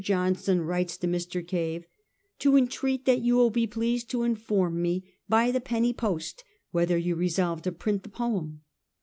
Johnson writes to Mr. Cave £ to entreat that you will be pleased to inform me, by the penny post, whether you resolve to print the poem.